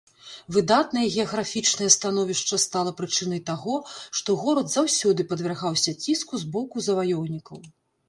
Выдатнае геаграфічнае становішча стала прычынай таго, што горад заўсёды падвяргаўся ціску з боку заваёўнікаў.